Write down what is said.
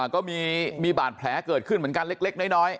ก็มีบาดแผลเกิดขึ้นเหมือนกันเล็กน้อย